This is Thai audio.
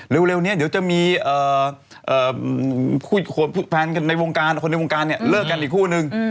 เร็วเนี่ยเดี๋ยวจะมีคนในวงการเนี่ยเลิกกันอีกคู่นึง